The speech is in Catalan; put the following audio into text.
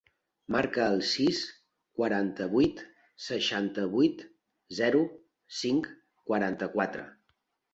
Marca el sis, quaranta-vuit, seixanta-vuit, zero, cinc, quaranta-quatre.